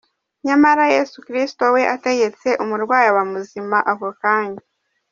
Nyamara Yesu Kristo we ategetse, umurwayi aba muzima ako kanya.